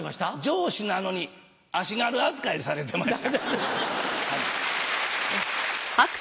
城主なのに足軽扱いされてました。